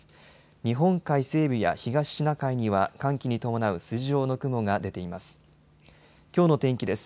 日本海西部や東シナ海には寒気に伴う筋状の雲が出ています。